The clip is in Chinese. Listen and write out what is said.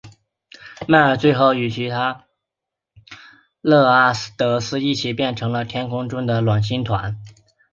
迈亚最后与其他普勒阿得斯一起变成了天空中的昴星团。